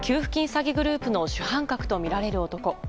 詐欺グループの主犯格とみられる男。